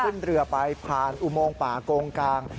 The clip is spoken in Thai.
ขึ้นเรือไปผ่านอุโมงป่าโกงกลาง